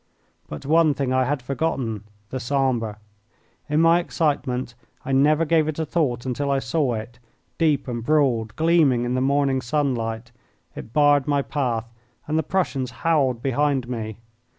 But one thing I had forgotten the Sambre. In my excitement I never gave it a thought until I saw it, deep and broad, gleaming in the morning sunlight. It barred my path, and the Prussians howled behind me.